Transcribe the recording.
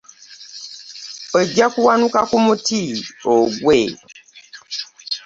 Ogya kuwanuka ku muti ogwe.